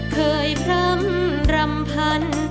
เคยพร้ำรำพัน